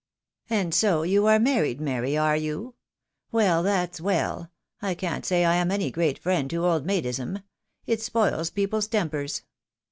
"And so you are married, Mary, are you? Well! that's well. I can't say I ain any great friend to old maidism — it spoils people's tempers.